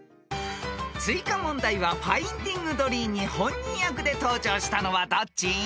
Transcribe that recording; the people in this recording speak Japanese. ［追加問題は『ファインディング・ドリー』に本人役で登場したのはどっち？］